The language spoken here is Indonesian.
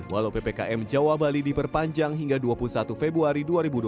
walau ppkm jawa bali diperpanjang hingga dua puluh satu februari dua ribu dua puluh